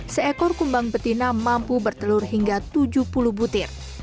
seekor kumbang betina mampu bertelur hingga tujuh puluh butir